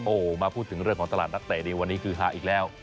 โอ้โหมาพูดถึงเรื่องของตลาดนักเตะในวันนี้คือฮาอีกแล้ว